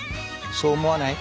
そう思わない？